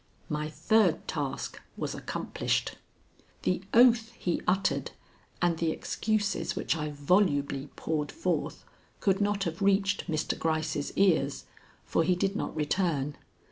My third task was accomplished. The oath he uttered and the excuses which I volubly poured forth could not have reached Mr. Gryce's ears, for he did not return.